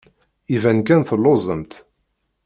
Iban kan telluẓemt.